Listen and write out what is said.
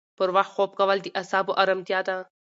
پر وخت خوب کول د اعصابو ارامتیا ده.